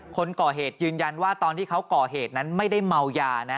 คนก่อเหตุยืนยันว่าตอนที่เขาก่อเหตุนั้นไม่ได้เมายานะ